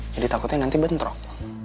jadi takutnya nanti bentrok